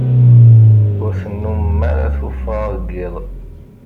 Ur tennumem ara tuffɣa deg iḍ.